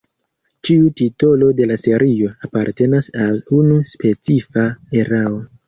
Ĉiu titolo de la serio apartenas al unu specifa erao.